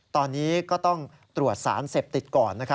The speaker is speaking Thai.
ตอนนี้ก็ต้องตรวจสารเสพติดก่อน